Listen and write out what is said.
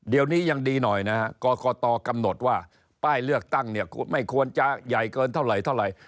เดี๋ยวนี้ยังดีหน่อยกคตกำหนดว่าป้ายเลือกตั้งไม่ควรจะใหญ่เกินเท่าไหร่